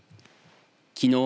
きのう